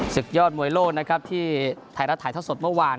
ศึกยอดมวยโลกนะครับจากถ่ายรักสถสดเมื่อวาน